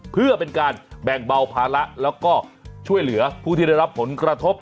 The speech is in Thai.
เพื่อเป็นการแบ่งเบาภาระแล้วก็ช่วยเหลือผู้ที่ได้รับผลกระทบ